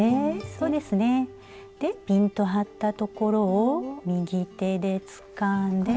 そうですねでピンと張ったところを右手でつかんで。